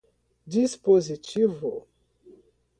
dispositivo